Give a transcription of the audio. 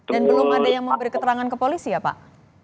dan belum ada yang memberi keterangan ke polisi ya pak